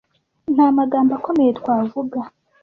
nta magambo akomeye twavuga